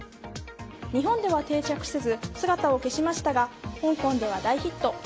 日本では定着せず姿を消しましたが香港では大ヒット。